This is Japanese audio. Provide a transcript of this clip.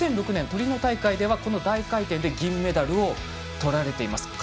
２００６年トリノ大会ではこの大回転で銀メダルをとられています。